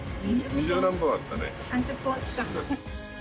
３０本近く。